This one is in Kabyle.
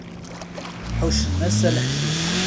Ḥuccen ass-a leḥcic.